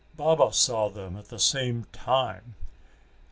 Baba saw them at the same time.